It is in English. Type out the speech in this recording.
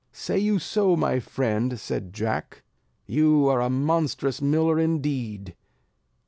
"Say you so my friend?" said Jack, "you are a monstrous miller indeed."